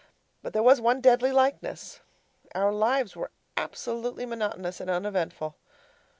But there was one deadly likeness. Our lives were absolutely monotonous and uneventful.